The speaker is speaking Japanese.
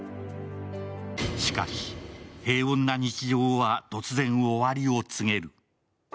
しかし、平穏な日常は突然終わりを告げる。